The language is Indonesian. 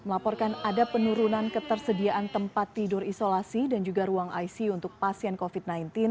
melaporkan ada penurunan ketersediaan tempat tidur isolasi dan juga ruang icu untuk pasien covid sembilan belas